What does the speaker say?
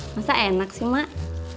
masa enak sih mak